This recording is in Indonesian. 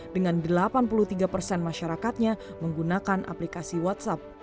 dengan delapan puluh tiga persen masyarakatnya menggunakan aplikasi whatsapp